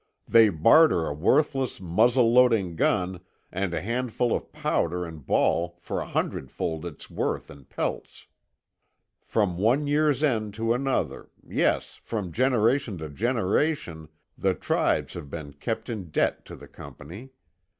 They barter a worthless muzzle loading gun and a handful of powder and ball for a hundredfold its worth in pelts. From one year's end to another, yes, from generation to generation, the tribes have been kept in debt to the Company.